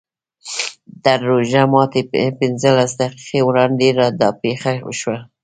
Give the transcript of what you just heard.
تر روژه ماتي پینځلس دقیقې وړاندې دا پېښه وشوه.